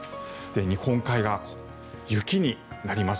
日本海側、雪になります。